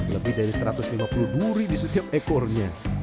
lebih dari satu ratus lima puluh duri di setiap ekornya